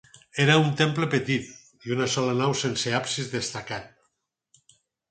Era un temple petit, d'una sola nau sense absis destacat.